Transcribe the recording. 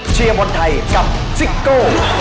เชียร์บอลไทยกับซิโก้